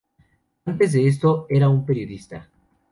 Antes de esto era un periodista.